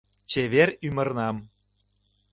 ...Чевер ӱмырнам